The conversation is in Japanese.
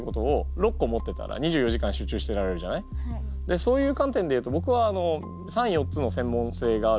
そういう観点で言うとぼくは３４つの専門性がある